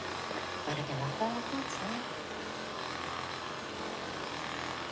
まるで魔法のポーチね。